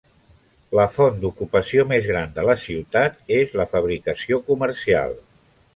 La font d'ocupació més gran de la ciutat és la fabricació comercial.